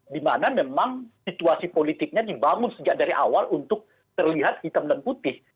dimana memang situasi politiknya dibangun sejak dari awal untuk terlihat hitam dan putih